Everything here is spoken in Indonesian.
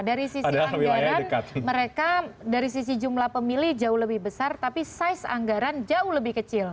dari sisi anggaran mereka dari sisi jumlah pemilih jauh lebih besar tapi size anggaran jauh lebih kecil